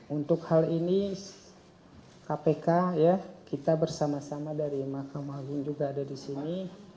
untuk hal ini kpk ya kita bersama sama dari mahkamah agung juga ada di sini